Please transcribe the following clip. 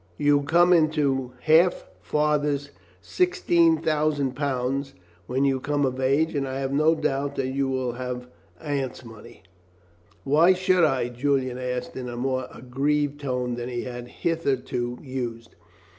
You come into half father's £16,000 when you come of age, and I have no doubt that you will have Aunt's money." "Why should I?" Julian asked in a more aggrieved tone than he had hitherto used.